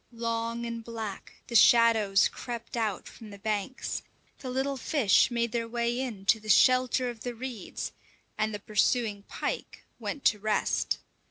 Long and black, the shadows crept out from the banks; the little fish made their way in to the shelter of the reeds, and the pursuing pike went to rest.